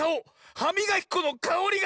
はみがきこのかおりが！